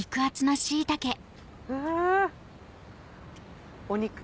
うわお肉？